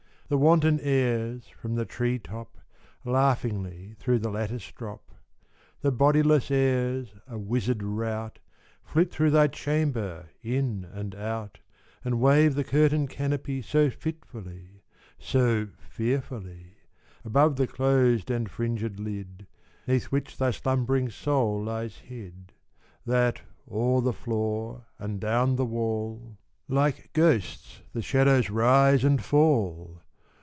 The wanton airs from the tree top Laughingly through the lattice drop; The bodiless airs, a wizard rout, Flit through thy chamber in and out, And wave the curtain canopy So fitfully, so fearfully, Above the closed and fringed lid 'Neath which thy slumb'ring soul lies hid, That, o'er the floor and down the wall, Like ghosts the shadows rise and fall.